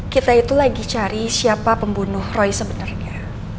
kita itu lagi cari siapa pembunuh roy sebenarnya